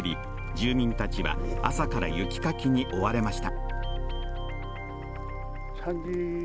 住民たちは朝から雪かきに追われました。